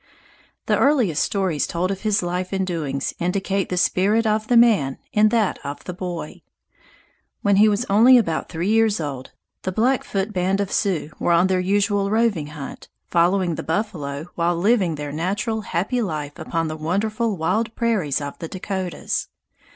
The earliest stories told of his life and doings indicate the spirit of the man in that of the boy. When he was only about three years old, the Blackfoot band of Sioux were on their usual roving hunt, following the buffalo while living their natural happy life upon the wonderful wide prairies of the Dakotas.